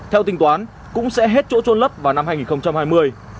theo tính toán cũng sẽ hết chỗ trôn lấp vào năm hai nghìn hai mươi